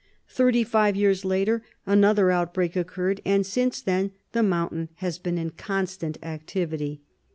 Thirty five years later another outbreak occurred; and since then the mountain has been in constant activity.